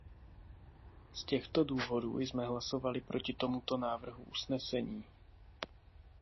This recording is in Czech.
Z těchto důvodů jsme hlasovali proti tomuto návrhu usnesení.